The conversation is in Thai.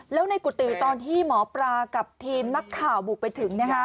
แล้วในกุฏิตอนที่หมอปลากับทีมนักข่าวบุกไปถึง